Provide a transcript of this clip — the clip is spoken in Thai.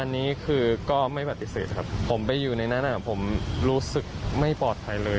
อันนี้คือก็ไม่ปฏิเสธครับผมไปอยู่ในนั้นผมรู้สึกไม่ปลอดภัยเลย